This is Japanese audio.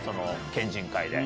県人会で。